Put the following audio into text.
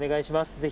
ぜひ。